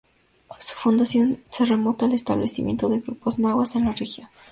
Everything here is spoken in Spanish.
Su fundación se remonta al establecimiento de grupos nahuas en la región.